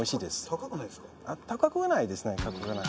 高くはないですね